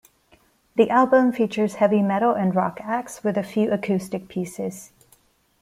The album features heavy metal and rock acts with a few acoustic pieces.